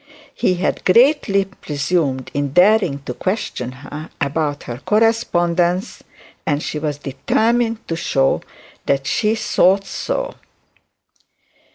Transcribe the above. He had greatly presumed in daring to question her about her correspondence, and she was determined to show that she thought so.